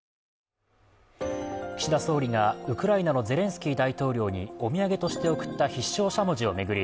岸田総理がウクライナのゼレンスキー大統領にお土産として贈った必勝しゃもじを巡り